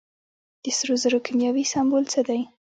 د سرو زرو کیمیاوي سمبول څه دی.